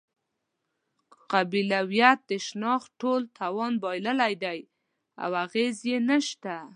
قبیلویت د شناخت ټول توان بایللی دی او اغېز یې نشته.